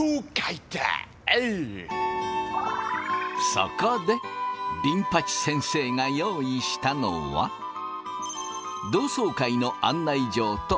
そこでビン八先生が用意したのは同窓会の案内状と返信ハガキ。